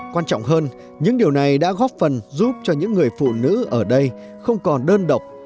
quan trọng hơn những điều này đã góp phần giúp cho những người phụ nữ ở đây không còn đơn độc